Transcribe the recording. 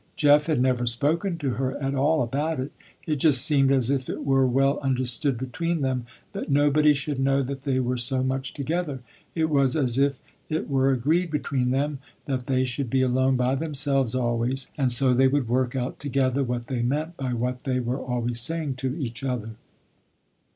Jeff had never spoken to her at all about it. It just seemed as if it were well understood between them that nobody should know that they were so much together. It was as if it were agreed between them, that they should be alone by themselves always, and so they would work out together what they meant by what they were always saying to each other.